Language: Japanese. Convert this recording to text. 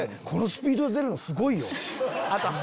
このスピードで出るのすごいよ。